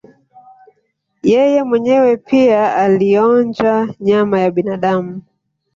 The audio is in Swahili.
Yeye mwenyewe pia alionja nyama ya binadamu